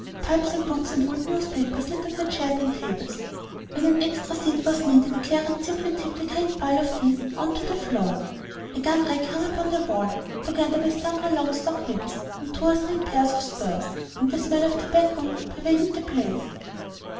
Pipes and books and old newspapers littered the chairs and tables; when an extra seat was needed Clarence simply tipped a great pile of these on to the floor. A gun rack hung upon the wall, together with sundry long stock whips and two or three pairs of spurs, and a smell of tobacco pervaded the place.